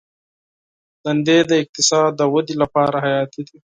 دندې د اقتصاد د ودې لپاره حیاتي دي.